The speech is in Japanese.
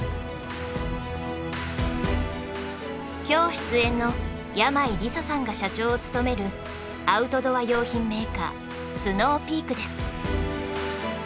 今日出演の山井梨沙さんが社長を務めるアウトドア用品メーカースノーピークです。